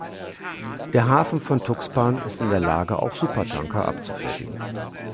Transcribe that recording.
Der Hafen von Tuxpan ist in der Lage, auch Supertanker abzufertigen.